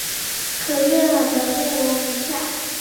可浏览的内容如下。